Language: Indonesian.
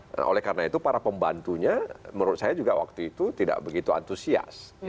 nah oleh karena itu para pembantunya menurut saya juga waktu itu tidak begitu antusias